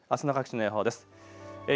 あすの各地の予報です。